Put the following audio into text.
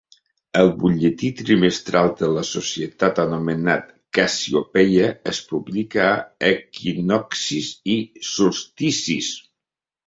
El butlletí trimestral de la societat, anomenat 'Cassiopeia', es publica a equinoccis i solsticis.